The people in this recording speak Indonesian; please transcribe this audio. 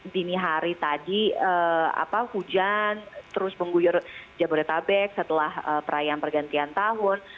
dini hari tadi hujan terus mengguyur jabodetabek setelah perayaan pergantian tahun